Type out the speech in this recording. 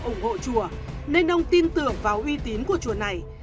ủng hộ chùa nên ông tin tưởng vào uy tín của chùa này